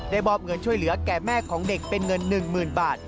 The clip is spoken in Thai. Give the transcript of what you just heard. มอบเงินช่วยเหลือแก่แม่ของเด็กเป็นเงิน๑๐๐๐บาท